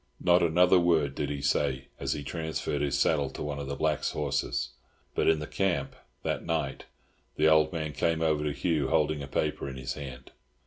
Not another word did he say, as he transferred his saddle to one of the blacks' horses. But in the camp, that night, the old man came over to Hugh holding a paper in his hand.